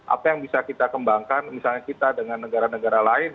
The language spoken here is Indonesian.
apa yang bisa kita kembangkan misalnya kita dengan negara negara lain